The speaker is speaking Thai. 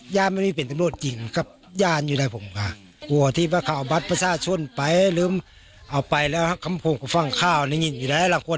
ชุดท้ายไม่ได้เป็นหนี้เป็นสินมาแล้ววุ้ยมันร้ายพ่วน